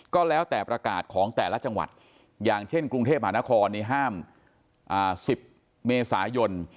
ก็แล้วแต่ประกาศของแต่ละจังหวัดอย่างเช่นกรุงเทพหานครนี่ห้าม๑๐เมษายน